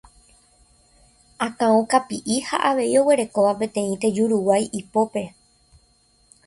akão kapi'i ha avei oguerekóva peteĩ tejuruguái ipópe